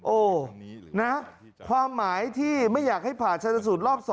โอ้นะความหมายที่ไม่อยากให้ผ่าชนสูตรรอบ๒